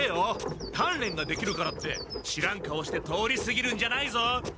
たんれんができるからって知らん顔して通りすぎるんじゃないぞ。